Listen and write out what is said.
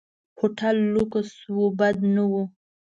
هوټل لکس و، بد نه و.